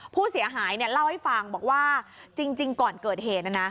ผู้เสียหายเล่าให้ฟังบอกว่าจริงก่อนเกิดเหตุนะนะ